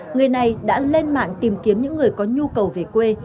người này đã lên mạng tìm kiếm những người có nhu cầu về quê